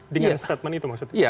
dengan statement itu maksudnya